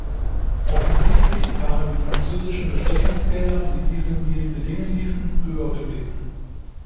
Offensichtlich waren die französischen Bestechungsgelder, die diesen Deal gelingen ließen, höher gewesen.